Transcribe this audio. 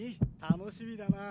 楽しみだなあ。